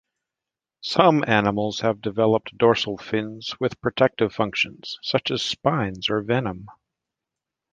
Some animals have developed dorsal fins with protective functions, such as spines or venom.